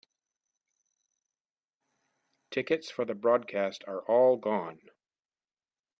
Tickets for the broadcast are all gone.